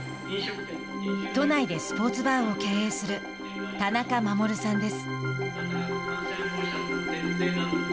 都内でスポーツバーを経営する田中守さんです。